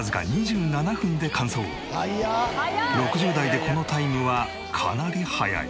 ６０代でこのタイムはかなり速い。